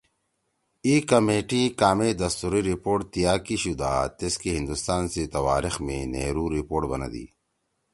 اِی کمیٹی کامے دستوری رپورٹ تِیا کیِشُودا تیسکے ہندُوستان سی تواریخ می نہرو رپورٹ بنَدی